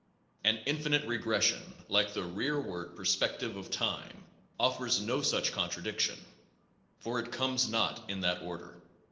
An infinite regression like the rear ward perspective of time offers no such con tradiction, for it comes not in that order.